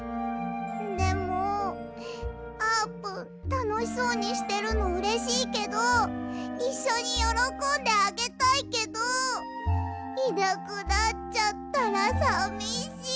でもあーぷんたのしそうにしてるのうれしいけどいっしょによろこんであげたいけどいなくなっちゃったらさみしい！